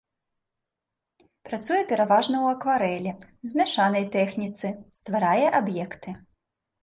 Працуе пераважна ў акварэлі, змяшанай тэхніцы, стварае аб'екты.